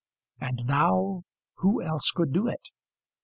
And now who else could do it?